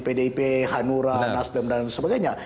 pdip hanura nasdem dan sebagainya